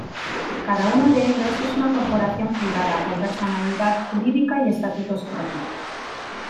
Cada uno de ellos es una corporación privada, con personalidad jurídica y estatutos propios.